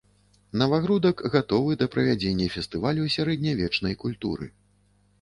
Навагрудак гатовы да правядзення фестывалю сярэднявечнай культуры.